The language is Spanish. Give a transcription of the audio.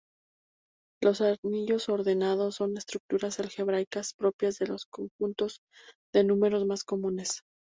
Los anillos ordenados son estructuras algebraicas propias de los conjuntos de números más comunes.